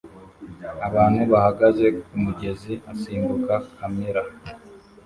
abantu bahagaze kumugezi usimbuka kamera